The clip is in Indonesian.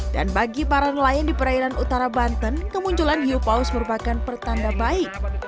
dan bagi para nelayan di perairan utara banten kemunculan hiu paus merupakan pertanda baik